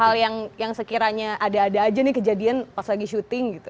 hal yang sekiranya ada ada aja nih kejadian pas lagi syuting gitu